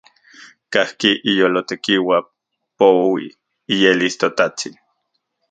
Kajki iyolo tekiua, poui iyelis ToTajtsin.